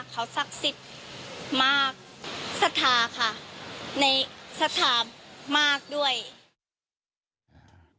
เขาศักดิ์สิทธิ์มากศรัทธาค่ะในสถามากด้วย